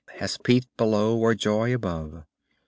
Hath peace below or joy above.